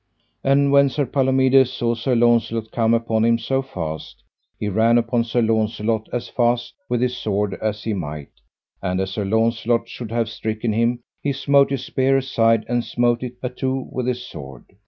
And when Sir Palomides saw Sir Launcelot come upon him so fast, he ran upon Sir Launcelot as fast with his sword as he might; and as Sir Launcelot should have stricken him he smote his spear aside, and smote it a two with his sword.